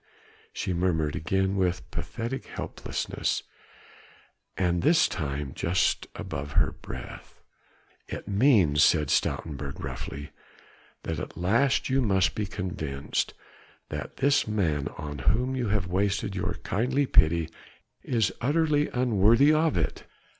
she murmured again with pathetic helplessness, and this time just above her breath. "It means," said Stoutenburg roughly, "that at last you must be convinced that this man on whom you have wasted your kindly pity is utterly unworthy of it.